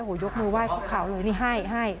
โอ้โฮยกมือไหว้ขาวเลยนี่ให้